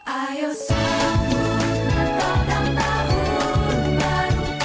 ayo sambut natal dan tahun baru